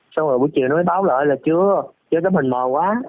xong rồi buổi chiều nó mới báo lời là chưa chứ tấm hình mờ quá